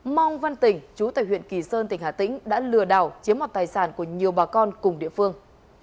mong văn tỉnh chú tại huyện kỳ sơn tỉnh hà tĩnh đã lừa đảo chiếm mặt tài sản của nhiều bà con cùng địa phương